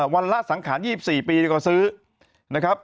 วันละสังขาร๒๔ปีก็ซื้อนะครับ